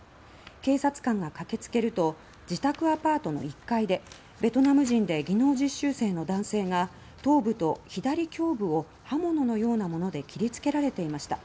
警察官が駆けつけると自宅アパートの１階でベトナム人で技能実習生の男性が頭部と左胸部を刃物のようなもので切りつけられていました。